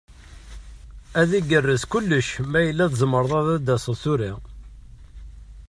Ad igerrez kullec ma yella tzemreḍ ad d-taseḍ tura.